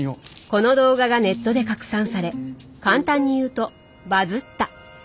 この動画がネットで拡散され簡単に言うとバズった。